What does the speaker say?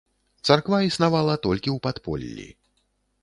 Царква існавала толькі ў падполлі.